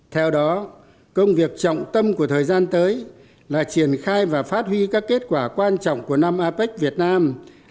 theo đó công việc trọng tâm của thời gian tới là triển khai và phát huy các kết quả quan trọng của năm apec việt nam hai nghìn một mươi bảy